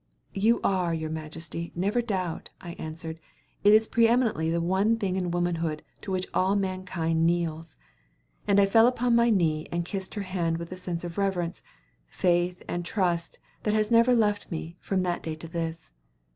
"You are, your majesty; never doubt," I answered. "It is pre eminently the one thing in womanhood to which all mankind kneels." And I fell upon my knee and kissed her hand with a sense of reverence, faith and trust that has never left me from that day to this.